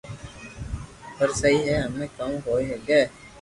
پر سھي ھي ھمي ڪاو ھوئي ھگي